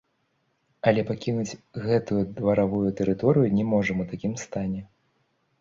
Але пакінуць гэтую дваравую тэрыторыю не можам у такім стане.